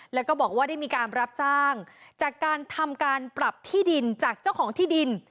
แล้วก็บอกว่าได้มีการรับจ้างจากการทำการปรับที่ดินจากเจ้าของที่ดิน